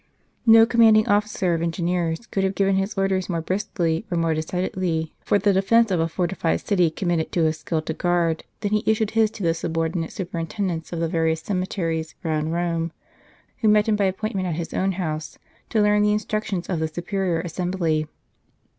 No commanding officer of engineers could have given his orders more briskly, or more decidedly, for the defence of a fortified city committed to his skill to guard, than he issued his to the subordinate superintendents of the various ceme teries round Rome, Avho met him by appointment at his own house, to learn the instructions of the superior assembly.